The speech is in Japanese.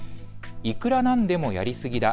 いくら何でもやりすぎだ。